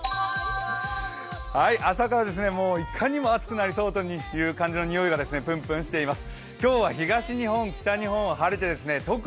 朝からいかにも暑くなりそうというにおいがぷんぷんしています。